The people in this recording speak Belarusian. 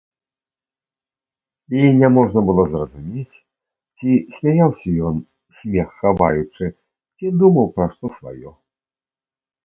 І няможна было зразумець, ці смяяўся ён, смех хаваючы, ці думаў пра што сваё.